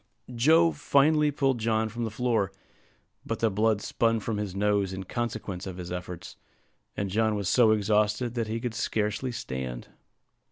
Joe finally pulled John from the floor, but the blood spun from his nose in consequence of his efforts; and John was so exhausted that he could scarcely stand.